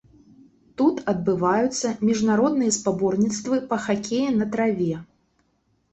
Тут адбываюцца міжнародныя спаборніцтвы па хакеі на траве.